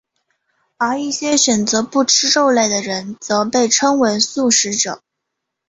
而一些选择不吃肉类的人则被称为素食者。